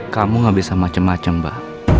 kamu gak bisa macem macem mbak